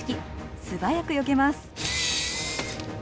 素早くよけます。